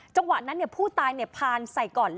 จังหวะนั้นผู้ตายพานใส่ก่อน